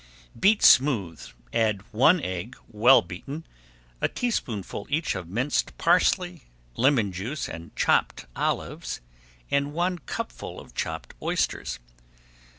Beat smooth, add one egg well beaten, a teaspoonful each of minced parsley, lemon juice, and chopped olives, and one cupful of chopped oysters.